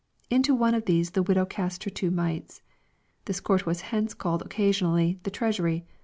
Into one of these the widow cast her two mites." This court was hence called occasionally " the treasury."